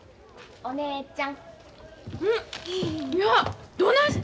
お姉ちゃん。